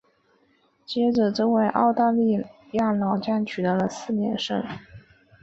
接着这位澳大利亚老将取得了四连胜。